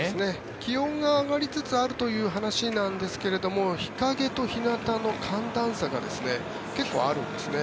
気温が上がりつつあるという話なんですが日陰と日向の寒暖差が結構あるんですね。